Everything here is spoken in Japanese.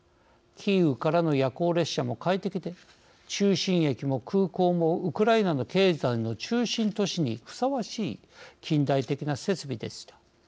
キーウからの夜行列車も快適で中心駅も空港もウクライナの経済の中心都市にふさわしい近代的な設備でした。